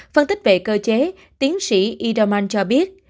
phân tích về cơ chế tiến sĩ idaman cho biết